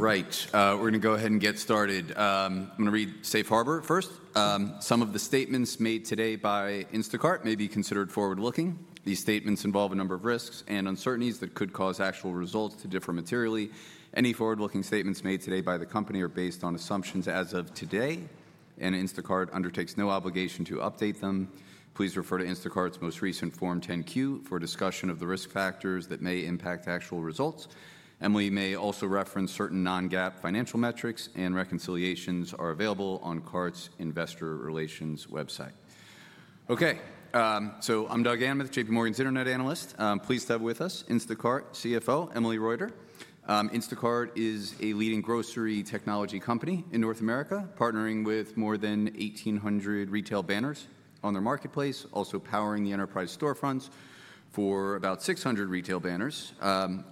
All right, we're going to go ahead and get started. I'm going to read Safe Harbor first. Some of the statements made today by Instacart may be considered forward-looking. These statements involve a number of risks and uncertainties that could cause actual results to differ materially. Any forward-looking statements made today by the company are based on assumptions as of today, and Instacart undertakes no obligation to update them. Please refer to Instacart's most recent Form 10Q for discussion of the risk factors that may impact actual results. Emily may also reference certain non-GAAP financial metrics, and reconciliations are available on CART's investor relations website. Okay, so I'm Doug Anmuth, JPMorgan's internet analyst. Please stay with us. Instacart CFO, Emily Reuter. Instacart is a leading grocery technology company in North America, partnering with more than 1,800 retail banners on their marketplace, also powering the enterprise storefronts for about 600 retail banners.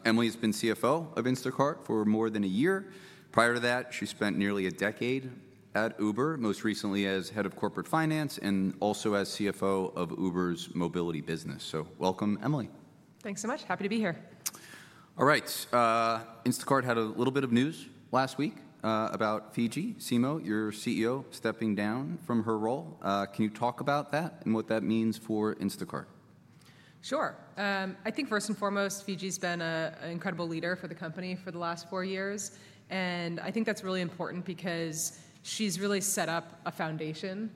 Emily has been CFO of Instacart for more than a year. Prior to that, she spent nearly a decade at Uber, most recently as Head of Corporate Finance and also as CFO of Uber's mobility business. So welcome, Emily. Thanks so much. Happy to be here. All right, Instacart had a little bit of news last week about Fidji Simo, your CEO, stepping down from her role. Can you talk about that and what that means for Instacart? Sure. I think first and foremost, Fidji has been an incredible leader for the company for the last four years. I think that's really important because she's really set up a foundation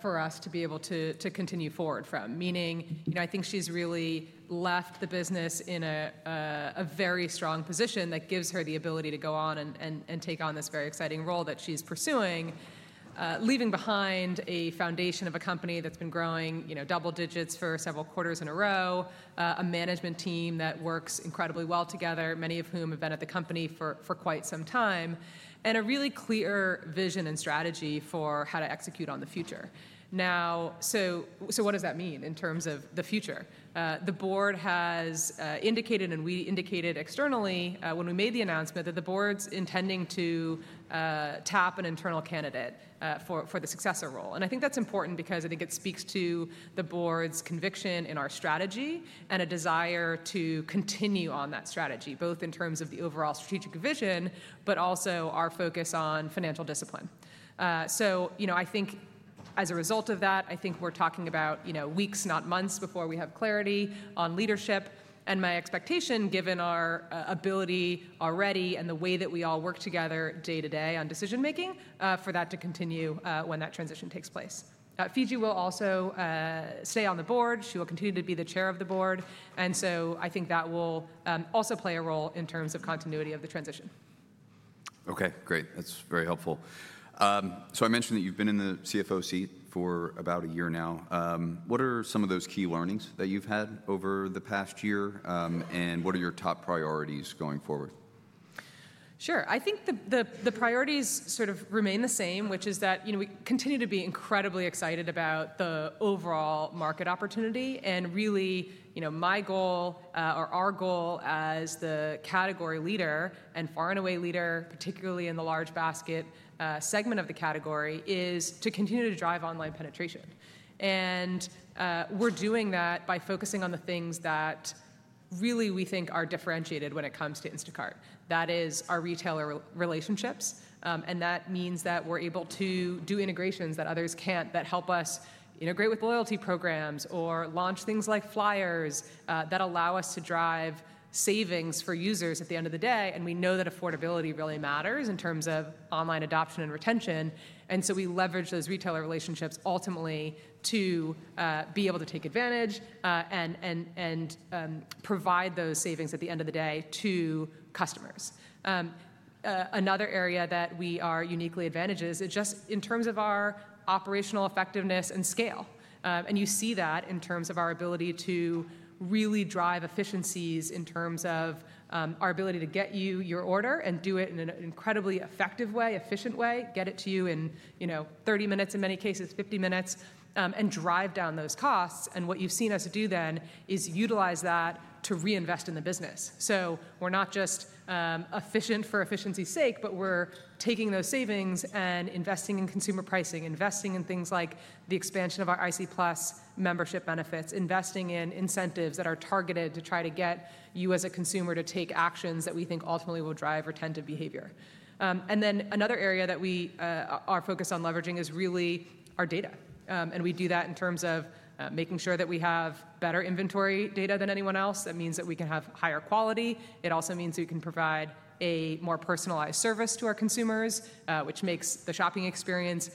for us to be able to continue forward from. Meaning, I think she's really left the business in a very strong position that gives her the ability to go on and take on this very exciting role that she's pursuing, leaving behind a foundation of a company that's been growing double digits for several quarters in a row, a management team that works incredibly well together, many of whom have been at the company for quite some time, and a really clear vision and strategy for how to execute on the future. Now, what does that mean in terms of the future? The board has indicated, and we indicated externally when we made the announcement, that the board's intending to tap an internal candidate for the successor role. I think that's important because I think it speaks to the board's conviction in our strategy and a desire to continue on that strategy, both in terms of the overall strategic vision, but also our focus on financial discipline. I think as a result of that, I think we're talking about weeks, not months, before we have clarity on leadership. My expectation, given our ability already and the way that we all work together day to day on decision-making, is for that to continue when that transition takes place. Fidji will also stay on the board. She will continue to be the chair of the board. I think that will also play a role in terms of continuity of the transition. Okay, great. That's very helpful. I mentioned that you've been in the CFO seat for about a year now. What are some of those key learnings that you've had over the past year, and what are your top priorities going forward? Sure. I think the priorities sort of remain the same, which is that we continue to be incredibly excited about the overall market opportunity. Really, my goal, or our goal as the category leader and far and away leader, particularly in the large basket segment of the category, is to continue to drive online penetration. We are doing that by focusing on the things that really we think are differentiated when it comes to Instacart. That is our retailer relationships. That means that we are able to do integrations that others cannot that help us integrate with loyalty programs or launch things like flyers that allow us to drive savings for users at the end of the day. We know that affordability really matters in terms of online adoption and retention. We leverage those retailer relationships ultimately to be able to take advantage and provide those savings at the end of the day to customers. Another area that we are uniquely advantaged is just in terms of our operational effectiveness and scale. You see that in terms of our ability to really drive efficiencies in terms of our ability to get you your order and do it in an incredibly effective way, efficient way, get it to you in 30 minutes, in many cases, 50 minutes, and drive down those costs. What you've seen us do then is utilize that to reinvest in the business. We're not just efficient for efficiency's sake, but we're taking those savings and investing in consumer pricing, investing in things like the expansion of our IC Plus membership benefits, investing in incentives that are targeted to try to get you as a consumer to take actions that we think ultimately will drive retention behavior. Another area that we are focused on leveraging is really our data. We do that in terms of making sure that we have better inventory data than anyone else. That means that we can have higher quality. It also means we can provide a more personalized service to our consumers, which makes the shopping experience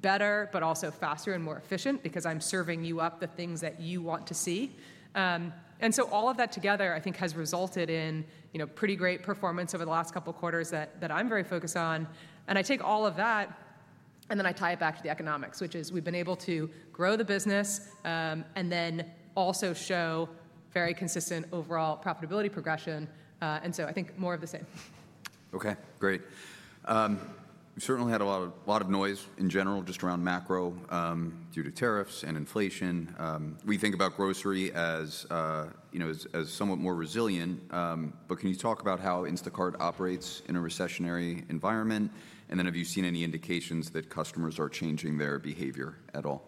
better, but also faster and more efficient because I'm serving you up the things that you want to see. All of that together, I think, has resulted in pretty great performance over the last couple of quarters that I'm very focused on. I take all of that, and then I tie it back to the economics, which is we've been able to grow the business and then also show very consistent overall profitability progression. I think more of the same. Okay, great. We've certainly had a lot of noise in general just around macro due to tariffs and inflation. We think about grocery as somewhat more resilient. Can you talk about how Instacart operates in a recessionary environment? Have you seen any indications that customers are changing their behavior at all?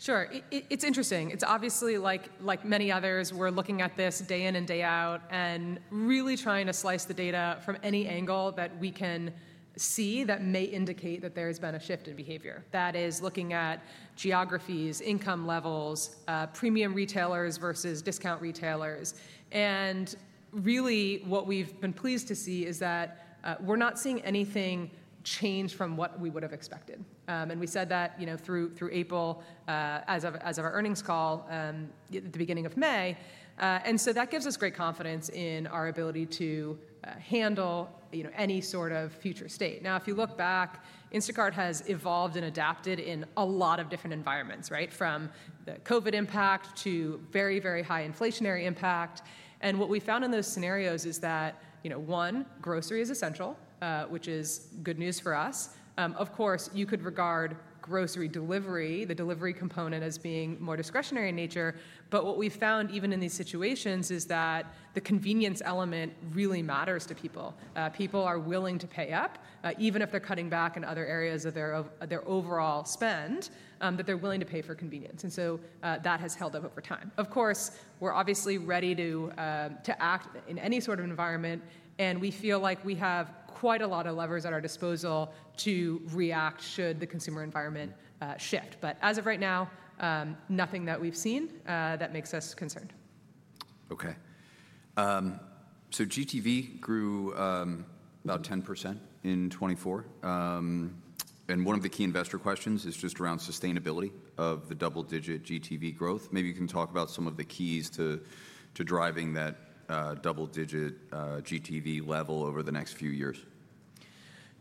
Sure. It's interesting. It's obviously like many others, we're looking at this day in and day out and really trying to slice the data from any angle that we can see that may indicate that there has been a shift in behavior. That is looking at geographies, income levels, premium retailers versus discount retailers. Really, what we've been pleased to see is that we're not seeing anything change from what we would have expected. We said that through April as of our earnings call at the beginning of May. That gives us great confidence in our ability to handle any sort of future state. If you look back, Instacart has evolved and adapted in a lot of different environments, right, from the COVID impact to very, very high inflationary impact. What we found in those scenarios is that, one, grocery is essential, which is good news for us. Of course, you could regard grocery delivery, the delivery component, as being more discretionary in nature. What we've found even in these situations is that the convenience element really matters to people. People are willing to pay up, even if they're cutting back in other areas of their overall spend, that they're willing to pay for convenience. That has held up over time. Of course, we're obviously ready to act in any sort of environment. We feel like we have quite a lot of levers at our disposal to react should the consumer environment shift. As of right now, nothing that we've seen makes us concerned. Okay. GTV grew about 10% in 2024. One of the key investor questions is just around sustainability of the double-digit GTV growth. Maybe you can talk about some of the keys to driving that double-digit GTV level over the next few years.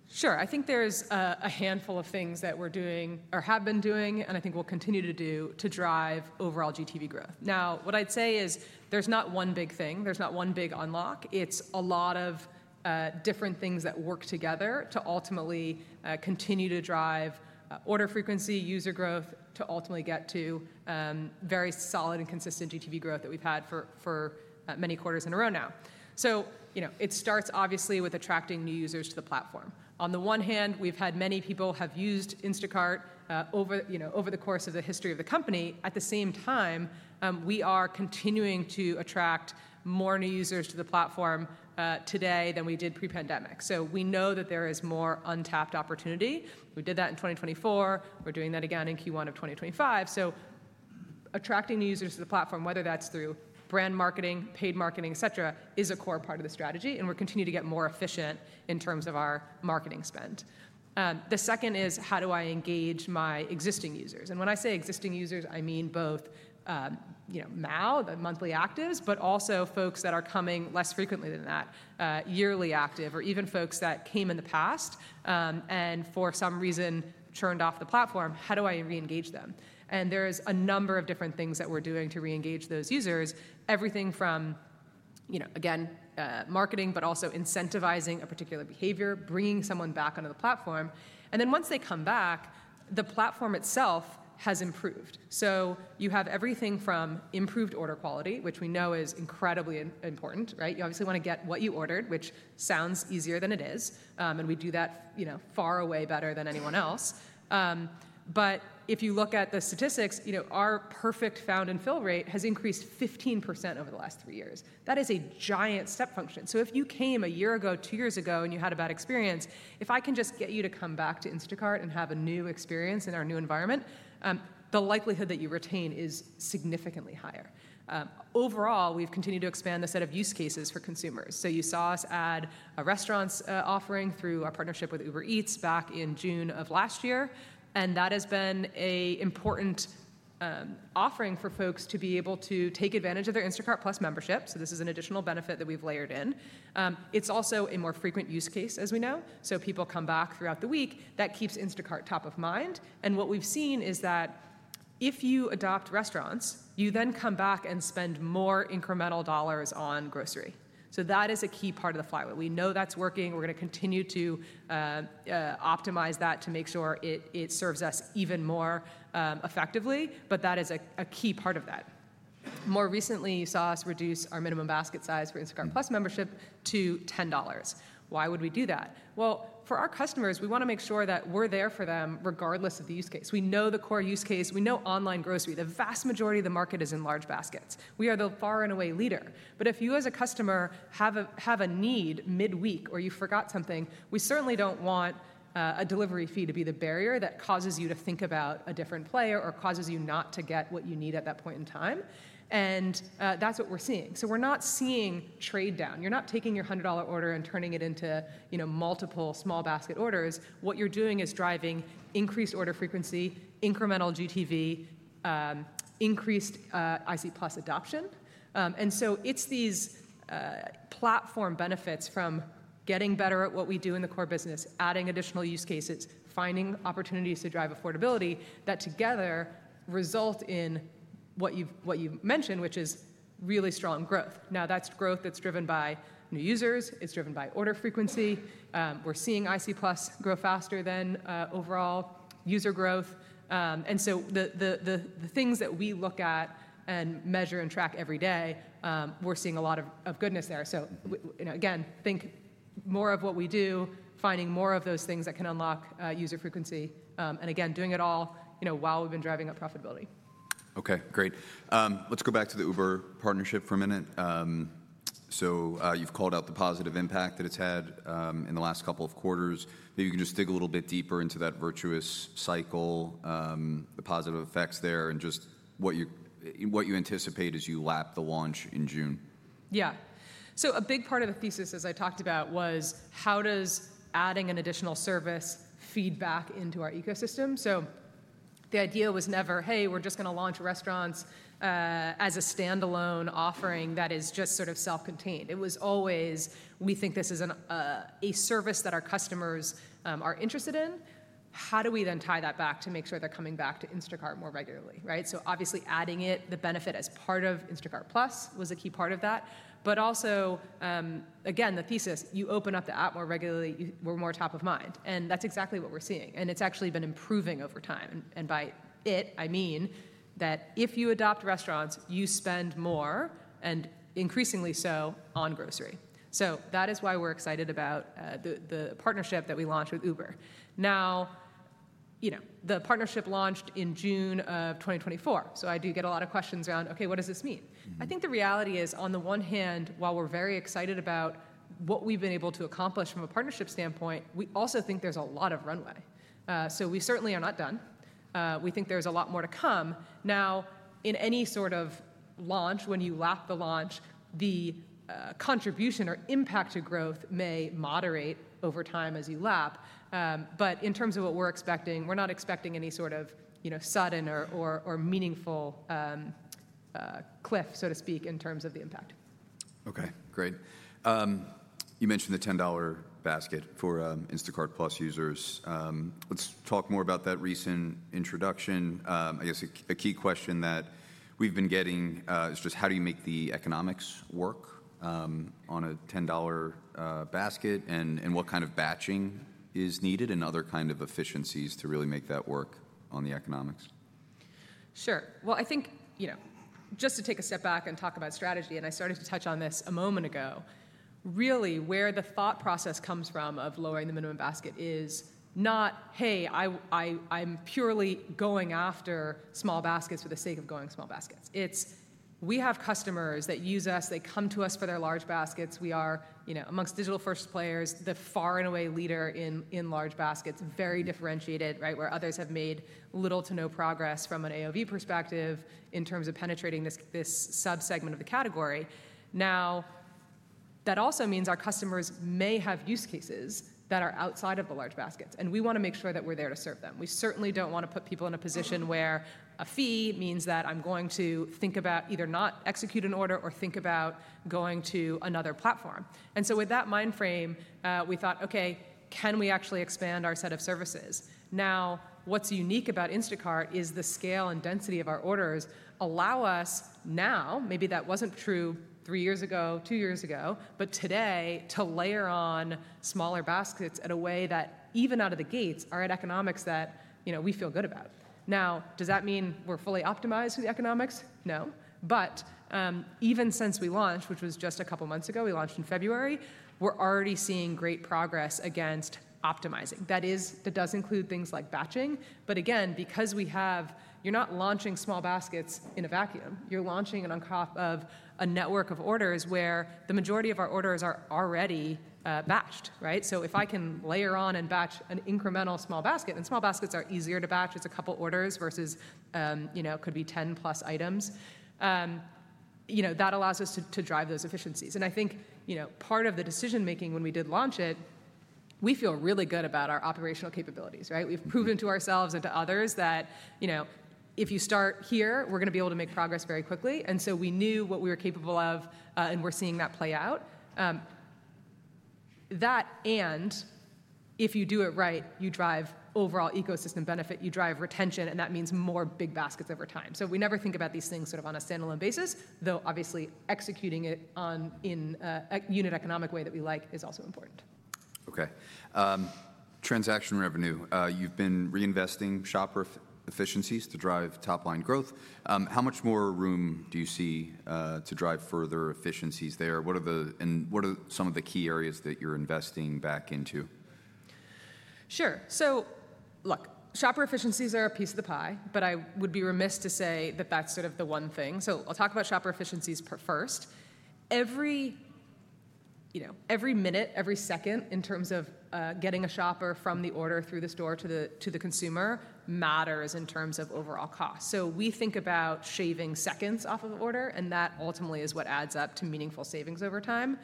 Sure. I think there's a handful of things that we're doing or have been doing and I think we'll continue to do to drive overall GTV growth. What I'd say is there's not one big thing. There's not one big unlock. It's a lot of different things that work together to ultimately continue to drive order frequency, user growth to ultimately get to very solid and consistent GTV growth that we've had for many quarters in a row now. It starts, obviously, with attracting new users to the platform. On the one hand, we've had many people have used Instacart over the course of the history of the company. At the same time, we are continuing to attract more new users to the platform today than we did pre-pandemic. We know that there is more untapped opportunity. We did that in 2024. We're doing that again in Q1 of 2025. Attracting new users to the platform, whether that's through brand marketing, paid marketing, et cetera, is a core part of the strategy. We're continuing to get more efficient in terms of our marketing spend. The second is, how do I engage my existing users? When I say existing users, I mean both now, the monthly actives, but also folks that are coming less frequently than that, yearly active, or even folks that came in the past and for some reason churned off the platform. How do I re-engage them? There's a number of different things that we're doing to re-engage those users, everything from, again, marketing, but also incentivizing a particular behavior, bringing someone back onto the platform. Once they come back, the platform itself has improved. You have everything from improved order quality, which we know is incredibly important, right? You obviously want to get what you ordered, which sounds easier than it is. We do that far away better than anyone else. If you look at the statistics, our perfect found and fill rate has increased 15% over the last three years. That is a giant step function. If you came a year ago, two years ago, and you had a bad experience, if I can just get you to come back to Instacart and have a new experience in our new environment, the likelihood that you retain is significantly higher. Overall, we've continued to expand the set of use cases for consumers. You saw us add a restaurant's offering through our partnership with Eats back in June of last year. That has been an important offering for folks to be able to take advantage of their Instacart Plus membership. This is an additional benefit that we have layered in. It is also a more frequent use case, as we know. People come back throughout the week. That keeps Instacart top of mind. What we have seen is that if you adopt restaurants, you then come back and spend more incremental dollars on grocery. That is a key part of the flywheel. We know that is working. We are going to continue to optimize that to make sure it serves us even more effectively. That is a key part of that. More recently, you saw us reduce our minimum basket size for Instacart Plus membership to $10. Why would we do that? For our customers, we want to make sure that we're there for them regardless of the use case. We know the core use case. We know online grocery. The vast majority of the market is in large baskets. We are the far and away leader. If you, as a customer, have a need midweek or you forgot something, we certainly do not want a delivery fee to be the barrier that causes you to think about a different player or causes you not to get what you need at that point in time. That is what we're seeing. We are not seeing trade down. You are not taking your $100 order and turning it into multiple small basket orders. What you are doing is driving increased order frequency, incremental GTV, increased IC Plus adoption. It is these platform benefits from getting better at what we do in the core business, adding additional use cases, finding opportunities to drive affordability that together result in what you mentioned, which is really strong growth. That is growth that is driven by new users. It is driven by order frequency. We are seeing IC Plus grow faster than overall user growth. The things that we look at and measure and track every day, we are seeing a lot of goodness there. Think more of what we do, finding more of those things that can unlock user frequency, and doing it all while we have been driving up profitability. Okay, great. Let's go back to the Uber partnership for a minute. You've called out the positive impact that it's had in the last couple of quarters. Maybe you can just dig a little bit deeper into that virtuous cycle, the positive effects there, and just what you anticipate as you lap the launch in June? Yeah. A big part of the thesis, as I talked about, was how does adding an additional service feed back into our ecosystem? The idea was never, hey, we're just going to launch restaurants as a standalone offering that is just sort of self-contained. It was always, we think this is a service that our customers are interested in. How do we then tie that back to make sure they're coming back to Instacart more regularly, right? Obviously, adding it, the benefit as part of Instacart Plus was a key part of that. Also, again, the thesis, you open up the app more regularly, we're more top of mind. That's exactly what we're seeing. It's actually been improving over time. By it, I mean that if you adopt restaurants, you spend more and increasingly so on grocery. That is why we're excited about the partnership that we launched with Uber. The partnership launched in June of 2024. I do get a lot of questions around, okay, what does this mean? I think the reality is, on the one hand, while we're very excited about what we've been able to accomplish from a partnership standpoint, we also think there's a lot of runway. We certainly are not done. We think there's a lot more to come. In any sort of launch, when you lap the launch, the contribution or impact to growth may moderate over time as you lap. In terms of what we're expecting, we're not expecting any sort of sudden or meaningful cliff, so to speak, in terms of the impact. Okay, great. You mentioned the $10 basket for Instacart Plus users. Let's talk more about that recent introduction. I guess a key question that we've been getting is just how do you make the economics work on a $10 basket and what kind of batching is needed and other kinds of efficiencies to really make that work on the economics? Sure. I think just to take a step back and talk about strategy, and I started to touch on this a moment ago, really where the thought process comes from of lowering the minimum basket is not, hey, I'm purely going after small baskets for the sake of going small baskets. It's we have customers that use us. They come to us for their large baskets. We are, amongst digital-first players, the far and away leader in large baskets, very differentiated, right, where others have made little to no progress from an AOV perspective in terms of penetrating this subsegment of the category. Now, that also means our customers may have use cases that are outside of the large baskets. We want to make sure that we're there to serve them. We certainly don't want to put people in a position where a fee means that I'm going to think about either not executing an order or think about going to another platform. With that mind frame, we thought, okay, can we actually expand our set of services? Now, what's unique about Instacart is the scale and density of our orders allow us now, maybe that wasn't true three years ago, two years ago, but today to layer on smaller baskets in a way that even out of the gates are at economics that we feel good about. Now, does that mean we're fully optimized for the economics? No. Even since we launched, which was just a couple of months ago, we launched in February, we're already seeing great progress against optimizing. That does include things like batching. Again, because we have, you're not launching small baskets in a vacuum. You're launching on top of a network of orders where the majority of our orders are already batched, right? If I can layer on and batch an incremental small basket, and small baskets are easier to batch, it's a couple of orders versus could be 10 plus items, that allows us to drive those efficiencies. I think part of the decision-making when we did launch it, we feel really good about our operational capabilities, right? We've proven to ourselves and to others that if you start here, we're going to be able to make progress very quickly. We knew what we were capable of, and we're seeing that play out. That and if you do it right, you drive overall ecosystem benefit, you drive retention, and that means more big baskets over time. We never think about these things sort of on a standalone basis, though obviously executing it in a unit economic way that we like is also important. Okay. Transaction revenue. You've been reinvesting shopper efficiencies to drive top-line growth. How much more room do you see to drive further efficiencies there? What are some of the key areas that you're investing back into? Sure. So look, shopper efficiencies are a piece of the pie, but I would be remiss to say that that's sort of the one thing. So I'll talk about shopper efficiencies first. Every minute, every second in terms of getting a shopper from the order through the store to the consumer matters in terms of overall cost. We think about shaving seconds off of the order, and that ultimately is what adds up to meaningful savings over time.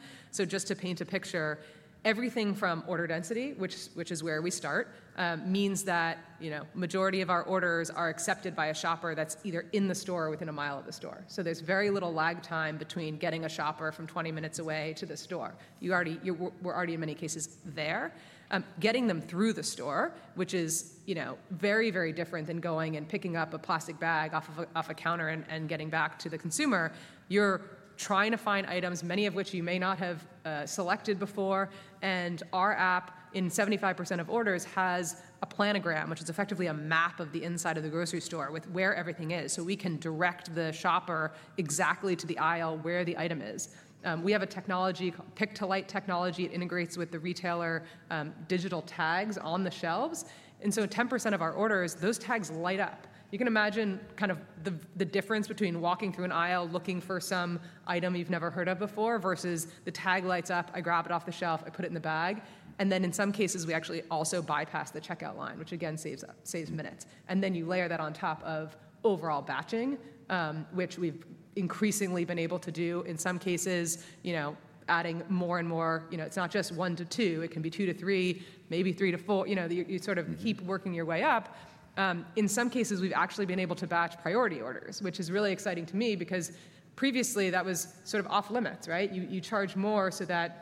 Just to paint a picture, everything from order density, which is where we start, means that majority of our orders are accepted by a shopper that's either in the store or within a mile of the store. There's very little lag time between getting a shopper from 20 minutes away to the store. We're already in many cases there. Getting them through the store, which is very, very different than going and picking up a plastic bag off a counter and getting back to the consumer. You're trying to find items, many of which you may not have selected before. And our app, in 75% of orders, has a planogram, which is effectively a map of the inside of the grocery store with where everything is. So we can direct the shopper exactly to the aisle where the item is. We have a technology called Pick to Light Technology. It integrates with the retailer digital tags on the shelves. And so 10% of our orders, those tags light up. You can imagine kind of the difference between walking through an aisle looking for some item you've never heard of before versus the tag lights up, I grab it off the shelf, I put it in the bag. In some cases, we actually also bypass the checkout line, which again saves minutes. You layer that on top of overall batching, which we've increasingly been able to do in some cases, adding more and more. It's not just one to two. It can be two to three, maybe three to four. You sort of keep working your way up. In some cases, we've actually been able to batch priority orders, which is really exciting to me because previously that was sort of off limits, right? You charge more so that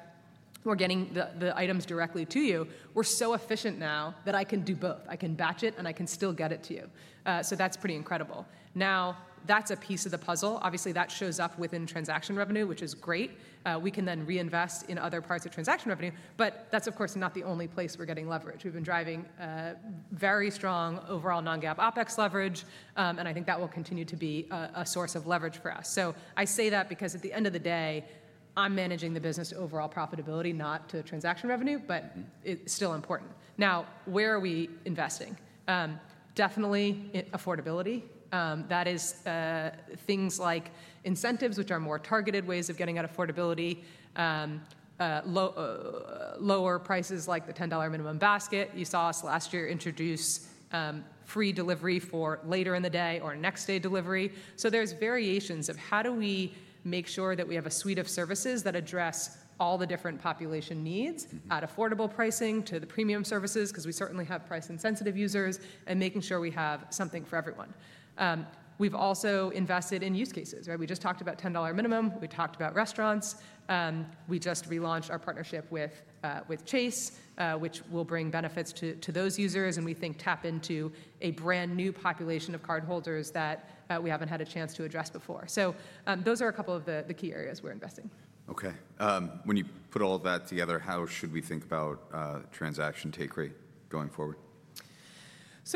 we're getting the items directly to you. We're so efficient now that I can do both. I can batch it and I can still get it to you. That's pretty incredible. Now, that's a piece of the puzzle. Obviously, that shows up within transaction revenue, which is great. We can then reinvest in other parts of transaction revenue. That is, of course, not the only place we're getting leverage. We've been driving very strong overall non-GAAP OpEx leverage. I think that will continue to be a source of leverage for us. I say that because at the end of the day, I'm managing the business overall profitability, not to transaction revenue, but it's still important. Now, where are we investing? Definitely affordability. That is things like incentives, which are more targeted ways of getting at affordability, lower prices like the $10 minimum basket. You saw us last year introduce free delivery for later in the day or next day delivery. There are variations of how do we make sure that we have a suite of services that address all the different population needs at affordable pricing to the premium services because we certainly have price-sensitive users and making sure we have something for everyone. We've also invested in use cases, right? We just talked about $10 minimum. We talked about restaurants. We just relaunched our partnership with Chase, which will bring benefits to those users and we think tap into a brand new population of cardholders that we haven't had a chance to address before. Those are a couple of the key areas we're investing. Okay. When you put all of that together, how should we think about transaction take rate going forward?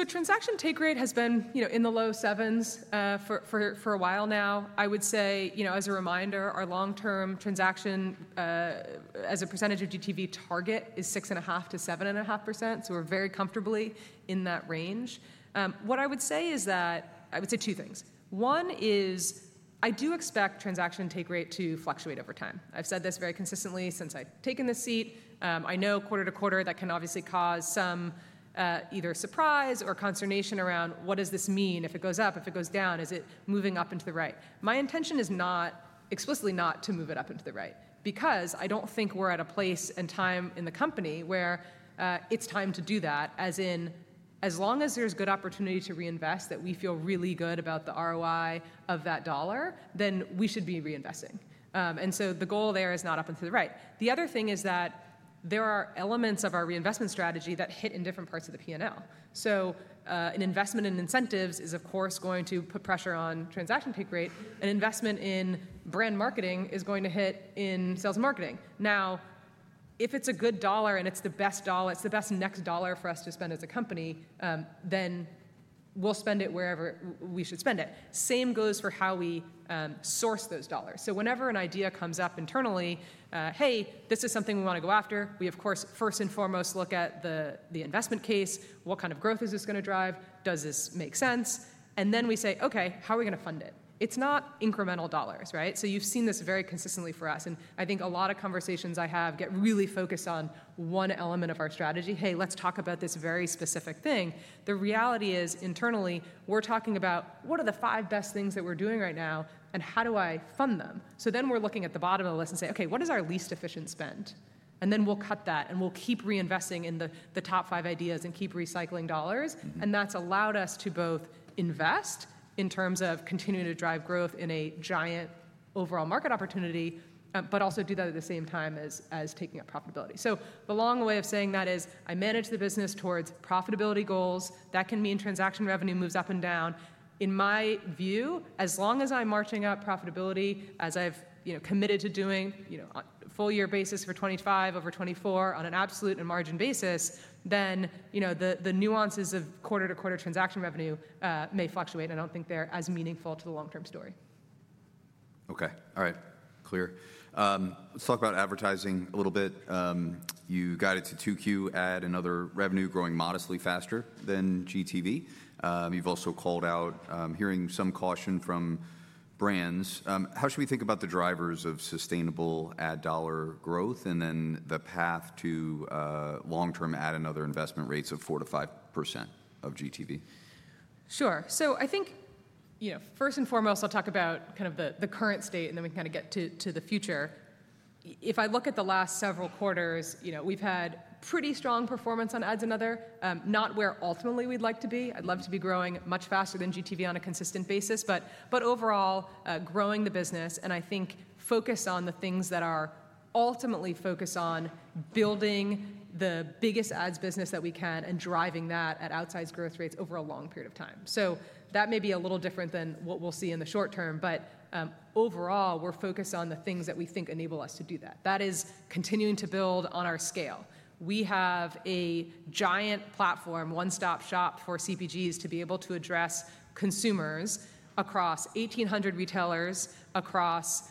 Transaction take rate has been in the low sevens for a while now. I would say, as a reminder, our long-term transaction as a percentage of GTV target is 6.5%-7.5%. We are very comfortably in that range. What I would say is that I would say two things. One is I do expect transaction take rate to fluctuate over time. I have said this very consistently since I have taken this seat. I know quarter to quarter that can obviously cause some either surprise or consternation around what does this mean if it goes up, if it goes down, is it moving up into the right? My intention is not explicitly not to move it up into the right because I do not think we are at a place and time in the company where it is time to do that as in as long as there is good opportunity to reinvest that we feel really good about the ROI of that dollar, then we should be reinvesting. The goal there is not up into the right. The other thing is that there are elements of our reinvestment strategy that hit in different parts of the P&L. An investment in incentives is, of course, going to put pressure on transaction take rate. An investment in brand marketing is going to hit in sales and marketing. Now, if it is a good dollar and it is the best dollar, it is the best next dollar for us to spend as a company, then we will spend it wherever we should spend it. Same goes for how we source those dollars. Whenever an idea comes up internally, hey, this is something we want to go after, we of course first and foremost look at the investment case, what kind of growth is this going to drive, does this make sense? We say, okay, how are we going to fund it? It's not incremental dollars, right? You have seen this very consistently for us. I think a lot of conversations I have get really focused on one element of our strategy, hey, let's talk about this very specific thing. The reality is internally, we're talking about what are the five best things that we're doing right now and how do I fund them? We are looking at the bottom of the list and say, okay, what is our least efficient spend? We'll cut that and we'll keep reinvesting in the top five ideas and keep recycling dollars. That's allowed us to both invest in terms of continuing to drive growth in a giant overall market opportunity, but also do that at the same time as taking up profitability. The long way of saying that is I manage the business towards profitability goals. That can mean transaction revenue moves up and down. In my view, as long as I'm marching up profitability as I've committed to doing on a full year basis for 2025 over 2024 on an absolute and margin basis, then the nuances of quarter to quarter transaction revenue may fluctuate. I don't think they're as meaningful to the long-term story. Okay. All right. Clear. Let's talk about advertising a little bit. You guided to 2Q ad and other revenue growing modestly faster than GTV. You've also called out hearing some caution from brands. How should we think about the drivers of sustainable ad dollar growth and then the path to long-term ad and other investment rates of 4%-5% of GTV? Sure. I think first and foremost, I'll talk about kind of the current state and then we can kind of get to the future. If I look at the last several quarters, we've had pretty strong performance on ads and other, not where ultimately we'd like to be. I'd love to be growing much faster than GTV on a consistent basis, but overall growing the business and I think focus on the things that are ultimately focused on building the biggest ads business that we can and driving that at outsized growth rates over a long period of time. That may be a little different than what we'll see in the short term, but overall, we're focused on the things that we think enable us to do that. That is continuing to build on our scale. We have a giant platform, one-stop shop for CPGs to be able to address consumers across 1,800 retailers, across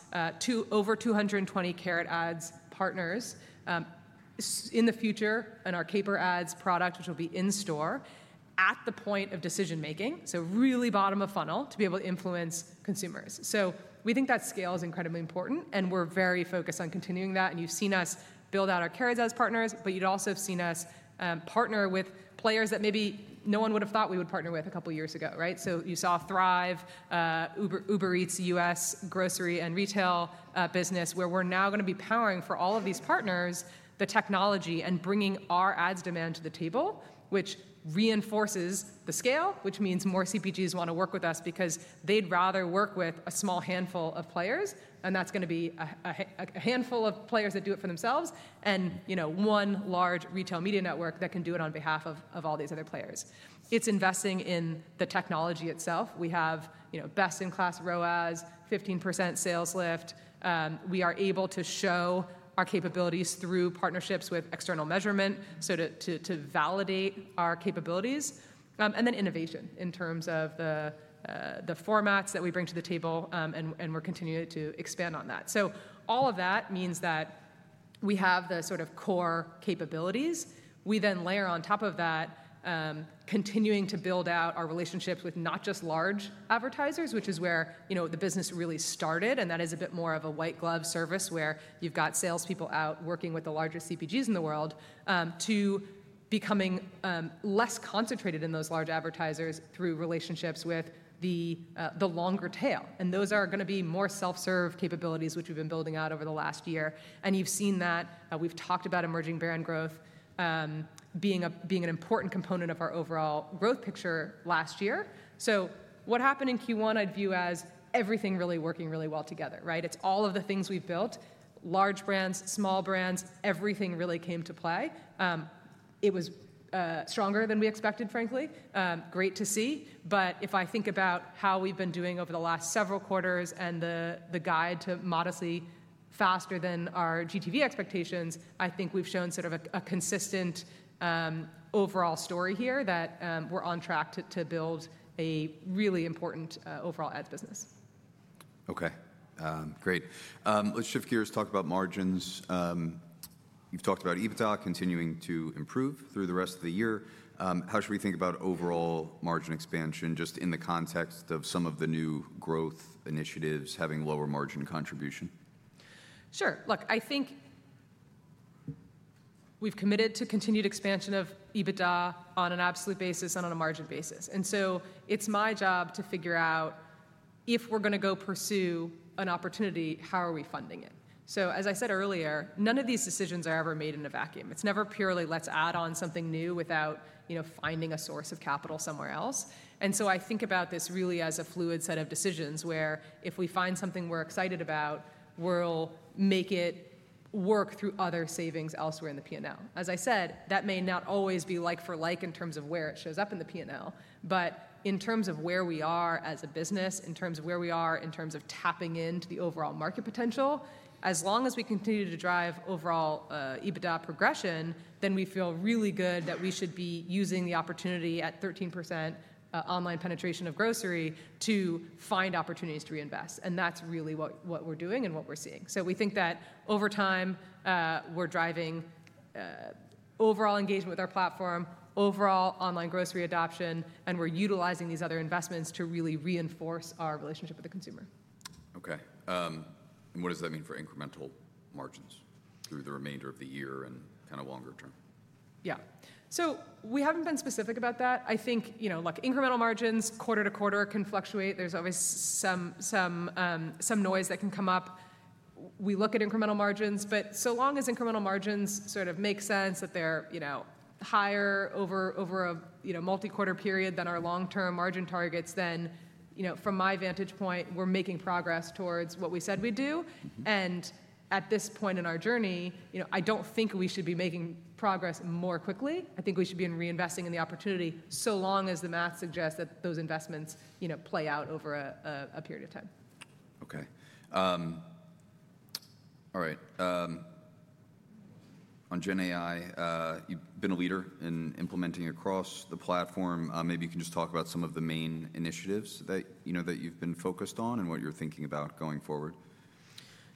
over 220 Carrot Ads partners. In the future, in our Caper Ads product, which will be in store at the point of decision-making, really bottom of funnel to be able to influence consumers. We think that scale is incredibly important and we are very focused on continuing that. You have seen us build out our Carrot Ads partners, but you have also seen us partner with players that maybe no one would have thought we would partner with a couple of years ago, right? You saw Thrive, Uber Eats US grocery and retail business where we're now going to be powering for all of these partners the technology and bringing our ads demand to the table, which reinforces the scale, which means more CPGs want to work with us because they'd rather work with a small handful of players. That's going to be a handful of players that do it for themselves and one large retail media network that can do it on behalf of all these other players. It's investing in the technology itself. We have best-in-class ROAS, 15% sales lift. We are able to show our capabilities through partnerships with external measurement to validate our capabilities. Innovation in terms of the formats that we bring to the table and we're continuing to expand on that. All of that means that we have the sort of core capabilities. We then layer on top of that, continuing to build out our relationships with not just large advertisers, which is where the business really started. That is a bit more of a white glove service where you've got salespeople out working with the largest CPGs in the world to becoming less concentrated in those large advertisers through relationships with the longer tail. Those are going to be more self-serve capabilities, which we've been building out over the last year. You've seen that. We've talked about emerging brand growth being an important component of our overall growth picture last year. What happened in Q1 I'd view as everything really working really well together, right? It's all of the things we've built, large brands, small brands, everything really came to play. It was stronger than we expected, frankly. Great to see. If I think about how we've been doing over the last several quarters and the guide to modestly faster than our GTV expectations, I think we've shown sort of a consistent overall story here that we're on track to build a really important overall ads business. Okay. Great. Let's shift gears, talk about margins. You've talked about EBITDA continuing to improve through the rest of the year. How should we think about overall margin expansion just in the context of some of the new growth initiatives having lower margin contribution? Sure. Look, I think we've committed to continued expansion of EBITDA on an absolute basis and on a margin basis. It's my job to figure out if we're going to go pursue an opportunity, how are we funding it? As I said earlier, none of these decisions are ever made in a vacuum. It's never purely let's add on something new without finding a source of capital somewhere else. I think about this really as a fluid set of decisions where if we find something we're excited about, we'll make it work through other savings elsewhere in the P&L. As I said, that may not always be like for like in terms of where it shows up in the P&L, but in terms of where we are as a business, in terms of where we are, in terms of tapping into the overall market potential, as long as we continue to drive overall EBITDA progression, then we feel really good that we should be using the opportunity at 13% online penetration of grocery to find opportunities to reinvest. That is really what we are doing and what we are seeing. We think that over time we are driving overall engagement with our platform, overall online grocery adoption, and we are utilizing these other investments to really reinforce our relationship with the consumer. Okay. What does that mean for incremental margins through the remainder of the year and kind of longer term? Yeah. We have not been specific about that. I think incremental margins quarter-to-quarter can fluctuate. There is always some noise that can come up. We look at incremental margins, but so long as incremental margins sort of make sense that they are higher over a multi-quarter period than our long-term margin targets, then from my vantage point, we are making progress towards what we said we would do. At this point in our journey, I do not think we should be making progress more quickly. I think we should be reinvesting in the opportunity so long as the math suggests that those investments play out over a period of time. Okay. All right. On GenAI, you've been a leader in implementing across the platform. Maybe you can just talk about some of the main initiatives that you've been focused on and what you're thinking about going forward.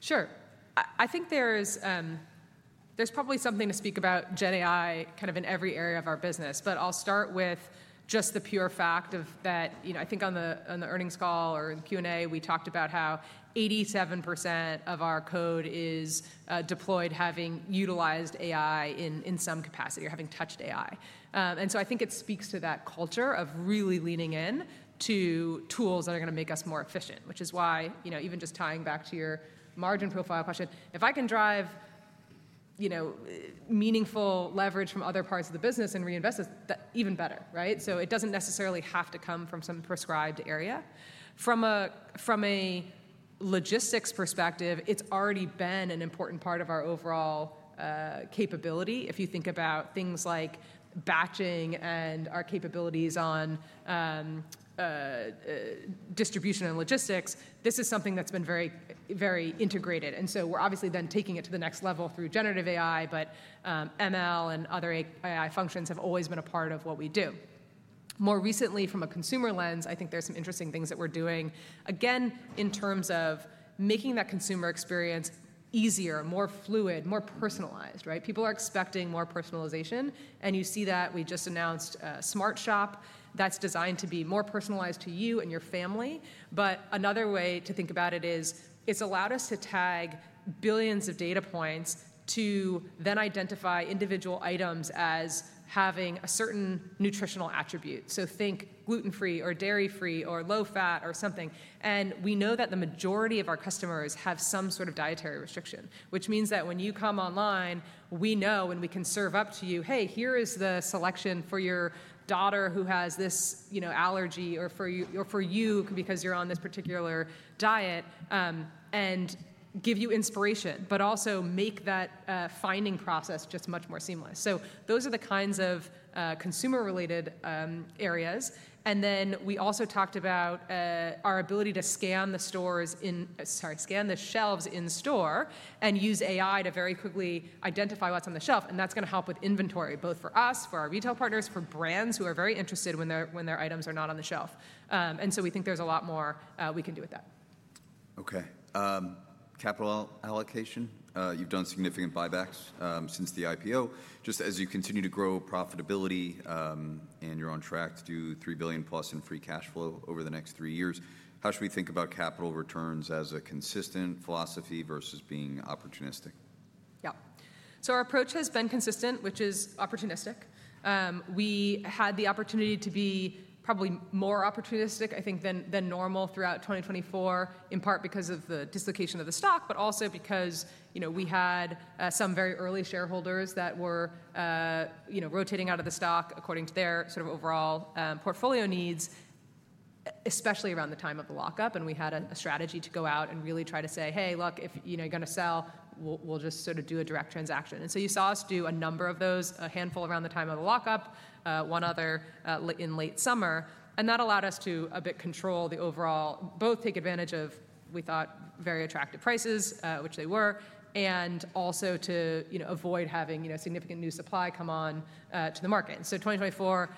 Sure. I think there's probably something to speak about GenAI kind of in every area of our business, but I'll start with just the pure fact that I think on the earnings call or in the Q&A, we talked about how 87% of our code is deployed having utilized AI in some capacity or having touched AI. I think it speaks to that culture of really leaning in to tools that are going to make us more efficient, which is why even just tying back to your margin profile question, if I can drive meaningful leverage from other parts of the business and reinvest it, even better, right? It doesn't necessarily have to come from some prescribed area. From a logistics perspective, it's already been an important part of our overall capability. If you think about things like batching and our capabilities on distribution and logistics, this is something that's been very integrated. We are obviously then taking it to the next level through generative AI, but ML and other AI functions have always been a part of what we do. More recently, from a consumer lens, I think there's some interesting things that we're doing, again, in terms of making that consumer experience easier, more fluid, more personalized, right? People are expecting more personalization. You see that we just announced Smart Shop that's designed to be more personalized to you and your family. Another way to think about it is it's allowed us to tag billions of data points to then identify individual items as having a certain nutritional attribute. Think gluten-free or dairy-free or low-fat or something. We know that the majority of our customers have some sort of dietary restriction, which means that when you come online, we know and we can serve up to you, hey, here is the selection for your daughter who has this allergy or for you because you're on this particular diet and give you inspiration, but also make that finding process just much more seamless. Those are the kinds of consumer-related areas. We also talked about our ability to scan the shelves in store and use AI to very quickly identify what's on the shelf. That is going to help with inventory, both for us, for our retail partners, for brands who are very interested when their items are not on the shelf. We think there is a lot more we can do with that. Okay. Capital allocation. You've done significant buybacks since the IPO. Just as you continue to grow profitability and you're on track to do $3 billion plus in free cash flow over the next three years, how should we think about capital returns as a consistent philosophy versus being opportunistic? Yeah. Our approach has been consistent, which is opportunistic. We had the opportunity to be probably more opportunistic, I think, than normal throughout 2024, in part because of the dislocation of the stock, but also because we had some very early shareholders that were rotating out of the stock according to their sort of overall portfolio needs, especially around the time of the lockup. We had a strategy to go out and really try to say, hey, look, if you're going to sell, we'll just sort of do a direct transaction. You saw us do a number of those, a handful around the time of the lockup, one other in late summer. That allowed us to a bit control the overall, both take advantage of we thought very attractive prices, which they were, and also to avoid having significant new supply come on to the market. 2024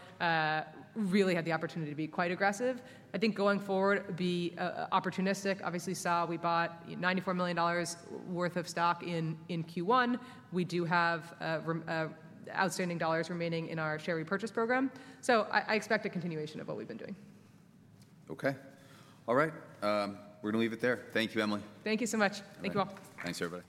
really had the opportunity to be quite aggressive. I think going forward, be opportunistic. Obviously, we saw we bought $94 million worth of stock in Q1. We do have outstanding dollars remaining in our share repurchase program. I expect a continuation of what we've been doing. Okay. All right. We're going to leave it there. Thank you, Emily. Thank you so much. Thank you all. Thanks, everybody.